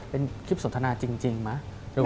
เป็นคลิปสนทนาจริงไหม